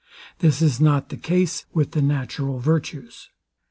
This is not the case with the natural virtues.